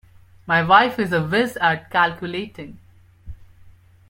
My wife is a whiz at calculating